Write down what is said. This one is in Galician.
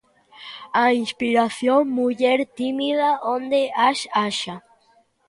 A inspiración, muller tímida onde as haxa.